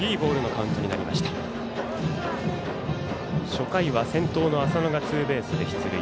初回は先頭の浅野がツーベースで出塁。